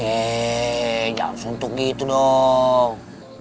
yeay nggak sentuk gitu dong